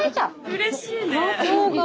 うれしいね！